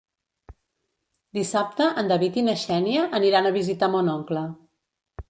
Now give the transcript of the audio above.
Dissabte en David i na Xènia aniran a visitar mon oncle.